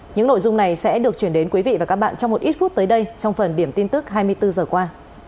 những nội dung này sẽ được chuyển đến quý vị và các bạn trong một ít phút tới đây trong phần điểm tin tức hai mươi bốn h qua